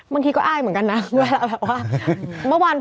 บางทีก็อ้ายเหมือนกันนะ